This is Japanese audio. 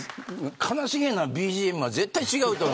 悲しげなＢＧＭは絶対に違うと思う。